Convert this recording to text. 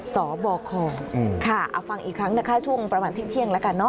สบคค่ะเอาฟังอีกครั้งช่วงประมาณที่เที่ยงแล้วกัน